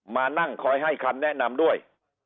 มานั่งคอยให้คำแนะนำด้วย